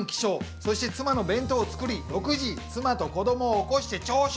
そして妻の弁当を作り、６時に妻と子どもを起こして朝食。